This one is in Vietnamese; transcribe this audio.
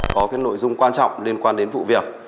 có cái nội dung quan trọng liên quan đến vụ việc